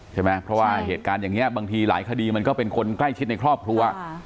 ใช่ไหมเพราะว่าเหตุการณ์อย่างนี้บางทีหลายคดีมันก็เป็นคนใกล้ชิดในครอบครัว